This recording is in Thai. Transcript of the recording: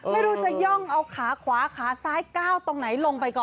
ไม่รู้จะย่องเอาขาขวาขาซ้ายก้าวตรงไหนลงไปก่อน